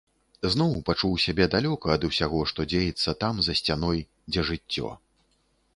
Зноў пачуў сябе далёка ад усяго, што дзеецца там, за сцяной, дзе жыццё.